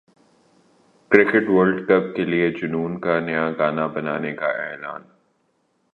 cricket world cup کے لیے جنون کا نیا گانا بنانے کا اعلان